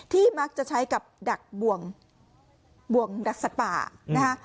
มักจะใช้กับดักบวงดักสัตว์ป่านะคะ